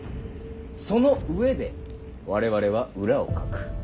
その上で我々は裏をかく。